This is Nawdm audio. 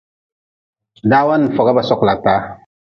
Dawa n foga sokla taa.